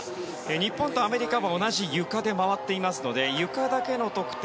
日本とアメリカは同じ、ゆかで回っていますのでゆかだけの得点